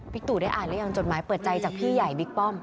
ตู่ได้อ่านหรือยังจดหมายเปิดใจจากพี่ใหญ่บิ๊กป้อม